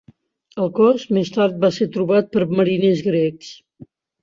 El cos més tard va ser trobat per mariners grecs.